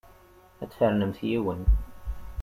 Ad tfernemt yiwen.